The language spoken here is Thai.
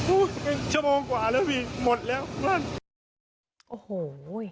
โอ้โฮเหรออะไร